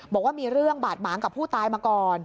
บอกว่ามีเรื่องบาดหมางกับผู้ตายมาก่อน